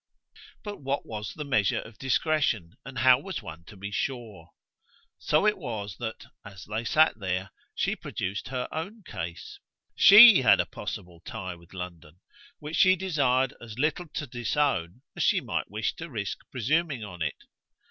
But what was the measure of discretion, and how was one to be sure? So it was that, as they sat there, she produced her own case: SHE had a possible tie with London, which she desired as little to disown as she might wish to risk presuming on it.